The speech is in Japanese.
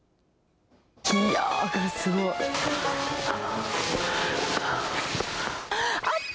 いやー、これ、すごい。あった！